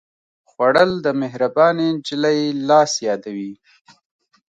خوړل د مهربانې نجلۍ لاس یادوي